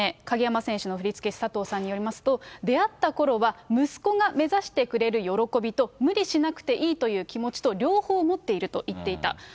鍵山選手の振り付け師、佐藤さんによりますと、出会ったころは、息子が目指してくれる喜びと、無理しなくていいという気持ちと両方持っていると言っていた。